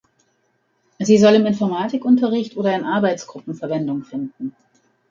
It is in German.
Sie soll im Informatikunterricht oder in Arbeitsgruppen Verwendung finden.